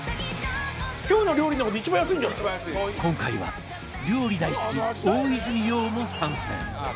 今回は料理大好き大泉洋も参戦